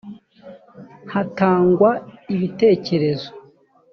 hatangwa ibitekerezo